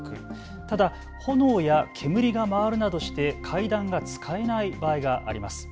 ただ炎や煙が回るなどして階段が使えない場合があります。